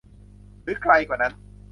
หรือไกลกว่านั้น